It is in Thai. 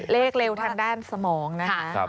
เลขเร็วทางด้านสมองนะคะ